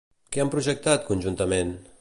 Què han projectat, conjuntament?